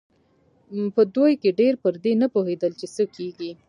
په دوی کې ډېر پر دې نه پوهېدل چې څه کېږي.